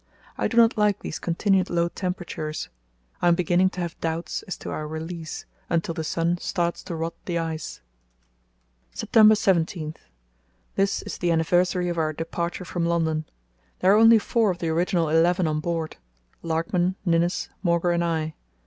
I do not like these continued low temperatures. I am beginning to have doubts as to our release until the sun starts to rot the ice. "September 17.—This is the anniversary of our departure from London. There are only four of the original eleven on board—Larkman, Ninnis, Mauger, and I.